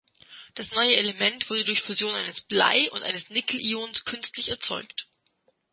Das neue Element wurde durch Fusion eines Blei- und eines Nickel-Ions künstlich erzeugt.